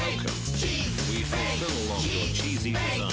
チーズ！